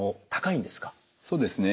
そうですね。